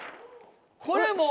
これもう。